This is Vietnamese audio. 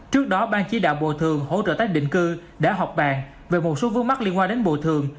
trước đó ban chí đạo bộ thường hỗ trợ tác định cư đã họp bàn về một số vương mắc liên quan đến bộ thường